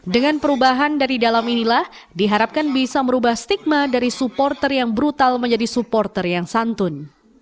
dengan perubahan dari dalam inilah diharapkan bisa merubah stigma dari supporter yang brutal menjadi supporter yang santun